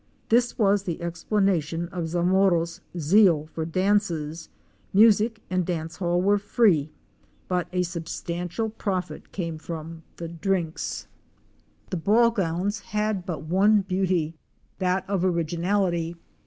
This was the explanation of Zamoro's zeal for dances: music and dance hall were free, but a substantial profit came from the drinks. 104 OUR SEARCH FOR A WILDERNESS. The ball gowns had but one beauty — that of originality.